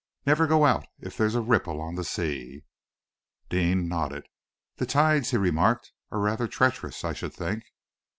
"Never go out if there's a ripple on the sea." Deane nodded. "The tides," he remarked, "are rather treacherous, I should think."